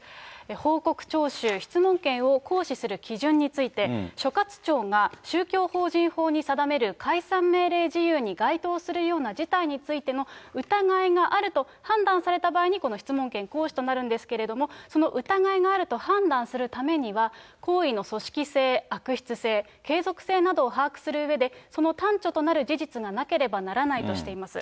報告徴収・質問権を行使する基準について、所轄庁が宗教法人法に定める解散命令事由に該当するような事態についての疑いがあると判断された場合に、この質問権行使となるんですけれども、その疑いがあると判断するためには、行為の組織性、悪質性、継続性などを把握するうえで、その端緒となる事実がなければならないとしています。